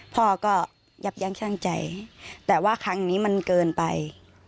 พ่อก็ยับยั้งช่างใจแต่ว่าครั้งนี้มันเกินไป